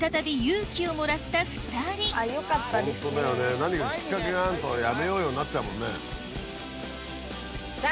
何かきっかけがあると「やめようよ」になっちゃうもんね。